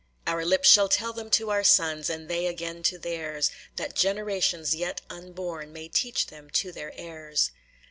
"Our lips shall tell them to our sons, And they again to theirs; That generations yet unborn May teach them to their heirs.